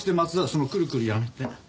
そのクルクルやめて。